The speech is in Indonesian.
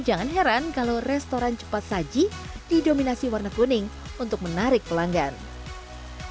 so jangan heran kalau restoran cepat saji didominasi warna kuning untuk menarik perhatian dan juga kebahagiaan